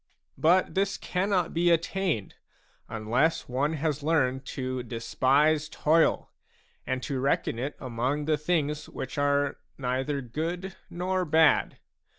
But this cannot be attained, unless one has learned to despise toil and to reckon it among the things which are neither good nor bad.